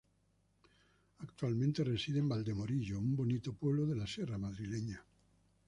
Actualmente reside en Valdemorillo, un bonito pueblo de la sierra madrileña.